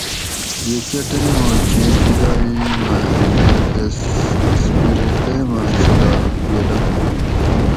یہ کہ ٹیماک چھی جدائ ماکہۤ سپرٹ لیماں چھلاگ جلم